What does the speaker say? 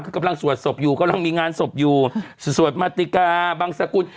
คือกำลังสวดศพอยู่กำลังมีงานศพอยู่สวดมาติกาบังสกุล